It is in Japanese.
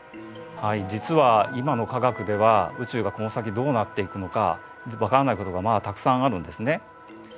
はい実は今の科学では宇宙がこの先どうなっていくのか分からないことがまだたくさんあるんですね。